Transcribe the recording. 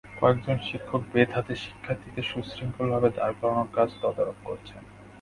কয়েকজন শিক্ষক বেত হাতে শিক্ষার্থীদের সুশৃঙ্খলভাবে দাঁড় করানোর কাজ তদারক করছেন।